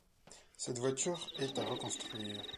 Cette voiture est à reconstruire.